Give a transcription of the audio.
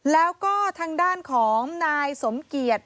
แล้วก็ทางด้านของนายสมเกียจ